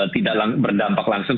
tidak berdampak langsung